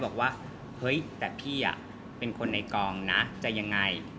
บอกว่าเฮ้ยแต่พี่เป็นคนในกองนะจะยังไง